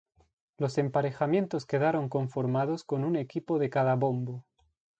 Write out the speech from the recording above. Los emparejamientos quedaron conformados con un equipo de cada bombo.